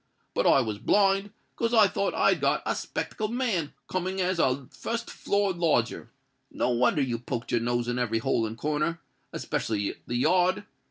But I was blind, 'cause I thought I'd got a 'spectable man coming as a fust floor lodger. No wonder you poked your nose in every hole and corner—'specially the yard.